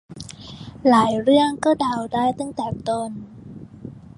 หลายเรื่องก็เดาได้ตั้งแต่ต้น